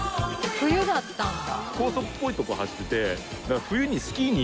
冬だったんだ。